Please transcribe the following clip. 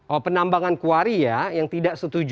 oh penambangan kuari ya yang tidak setuju